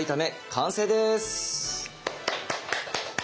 完成です。